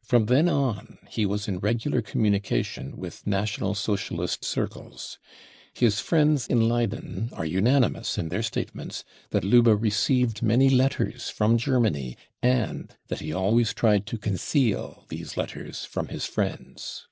From then on he was in regular communication with National Socialist circles. His friends in Leyden are unanimous in their statements that Lubbe received many letters from Germany, and that he always tried to conceal these letters from his friends.